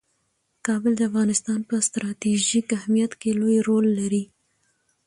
کابل د افغانستان په ستراتیژیک اهمیت کې لوی رول لري.